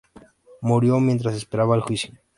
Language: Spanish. Murió mientras esperaba el juicio.